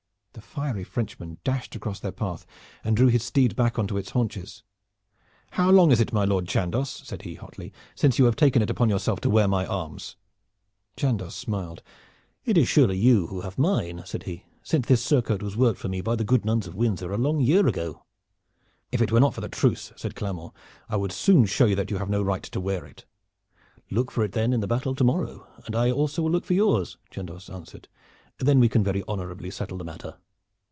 The fiery Frenchman dashed across their path and drew his steed back on to its haunches. "How long is it, my Lord Chandos," said he hotly, "since you have taken it upon yourself to wear my arms?" Chandos smiled. "It is surely you who have mine," said he, "since this surcoat was worked for thee by the good nuns of Windsor a long year ago." "If it were not for the truce," said Clermont, "I would soon show you that you have no right to wear it." "Look for it then in the battle to morrow, and I also will look for yours," Chandos answered. "There we can very honorably settle the matter."